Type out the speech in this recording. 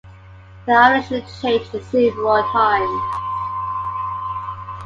The affiliation changed several times.